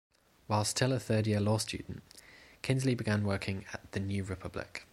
While still a third-year law student, Kinsley began working at "The New Republic".